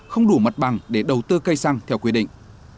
không đủ mật bằng để đầu tư cây xăng theo quy định